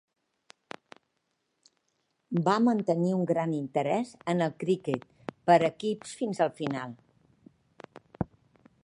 Va mantenir un gran interès en el criquet per equips fins al final.